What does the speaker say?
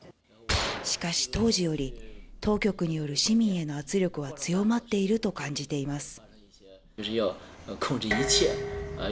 しかし当時より当局による市民の圧力は強まっていると感じています。